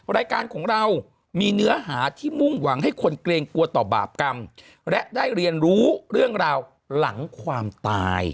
รายการของเรามีเนื้อหาที่มุ่งหวังให้คนเกรงกลัวต่อบาปกรรมและได้เรียนรู้เรื่องราวหลังความตาย